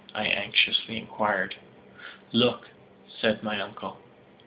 I anxiously inquired. "Look," said my uncle.